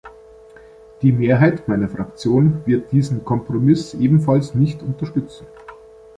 Die Mehrheit meiner Fraktion wird diesen Kompromiss ebenfalls nicht unterstützen.